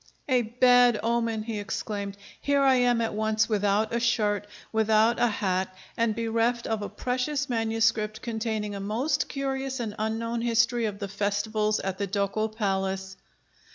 "A bad omen!" he exclaimed. "Here I am at once without a shirt, without a hat, and bereft of a precious manuscript containing a most curious and unknown history of the festivals at the Ducal Palace."